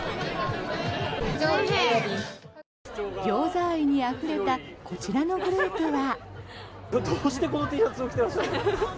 ギョーザ愛にあふれたこちらのグループは。